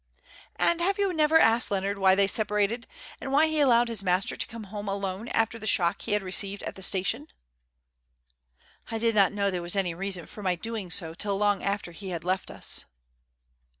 "And have you never asked Leonard why they separated and why he allowed his master to come home alone after the shock he had received at the station?" "I did not know there was any reason for my doing so till long after he had left us."